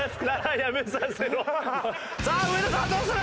さあ上田さんどうする？